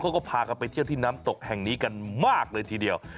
พากันไปเที่ยวที่น้ำตกแห่งนี้กันมากเลยทีเดียว